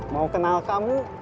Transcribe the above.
mau kenal kamu